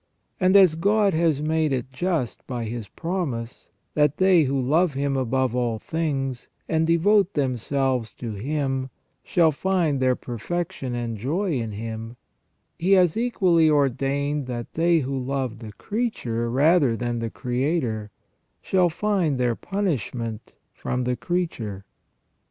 And as God has made it just by His promise, that they who love Him above all things, and devote themselves to Him, shall find their perfection and joy in Him ; He has equally ordained that they who love the creature rather than the Creator, shall find their punishment from the creature.